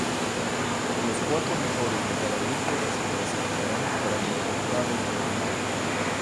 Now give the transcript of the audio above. Los cuatro mejores de cada grupo se clasificarán para los octavos de final.